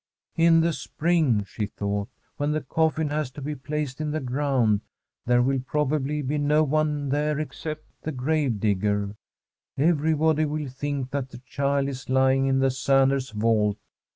* In the spring,' she thought, * when the coffin has to be placed in the ground, there will probably be no one there except the grave digger ; every body will think that the child is lying in the Sanders' vault.'